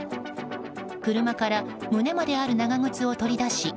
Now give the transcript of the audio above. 車から胸まである長靴を取り出し